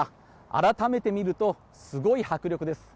改めて見るとすごい迫力です。